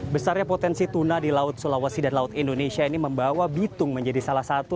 besarnya potensi tuna di laut sulawesi dan laut indonesia ini membawa bitung menjadi salah satu